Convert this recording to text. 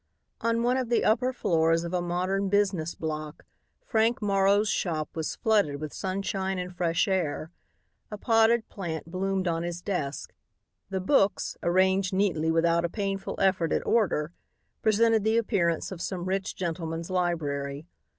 On one of the upper floors of a modern business block Frank Morrow's shop was flooded with sunshine and fresh air. A potted plant bloomed on his desk. The books, arranged neatly without a painful effort at order, presented the appearance of some rich gentleman's library.